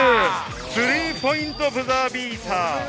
スリーポイントブザービーター！